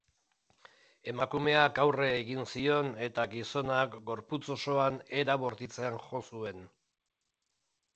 Emakumeak aurre egin zion eta gizonak gorputz osoan era bortitzean jo zuen.